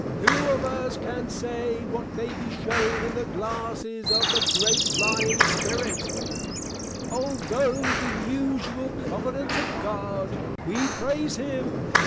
Who of us can say, what may be shewn in the Glasses of the Great Lying Spirit? Altho' the Usual Providence of God [we praise Him!